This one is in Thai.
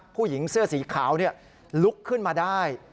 ผู้หญิงเสื้อสีขาวลุกขึ้นมาได้